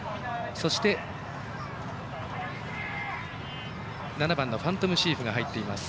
そして、７番ファントムシーフが入っています。